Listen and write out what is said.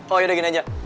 oh yaudah gini aja